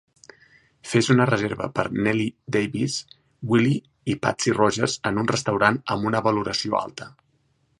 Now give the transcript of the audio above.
Fes una reserva per Nellie Davis, Willie i Patsy Rogers en un restaurant amb una valoració alta